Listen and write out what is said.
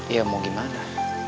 ya mau gimana